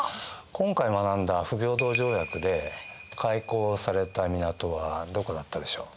今回学んだ不平等条約で開港された港はどこだったでしょう？